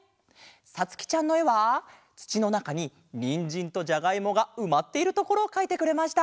さつきちゃんのえはつちのなかににんじんとじゃがいもがうまっているところをかいてくれました。